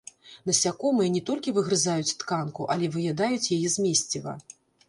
Насякомыя не толькі выгрызаюць тканку, але і выядаюць яе змесціва.